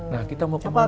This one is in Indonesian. nah kita mau kemana